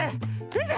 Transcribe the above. みて！